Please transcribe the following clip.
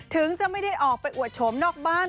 ถึงจะไม่ได้ออกไปอวดโฉมนอกบ้าน